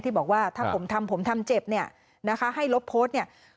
บอกว่าถ้าผมทำผมทำเจ็บเนี่ยนะคะให้ลบโพสต์เนี่ย